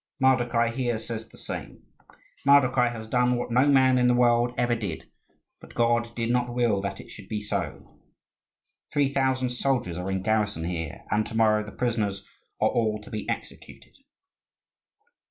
Mardokhai here says the same. Mardokhai has done what no man in the world ever did, but God did not will that it should be so. Three thousand soldiers are in garrison here, and to morrow the prisoners are all to be executed."